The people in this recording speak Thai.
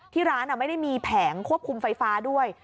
ที่ร้านไม่ได้มีแผงควบคุมไฟฟ้าด้วย